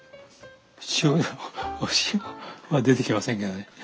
お塩は出てきませんけどね。